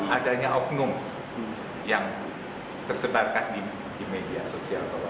adanya oknum yang tersebarkan di media sosial bahwa